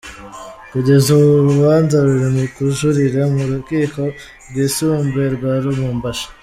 Kugeza ubu urubanza ruri mu bujurire mu Rukiko rwisumbuye rwa Lubumbashi.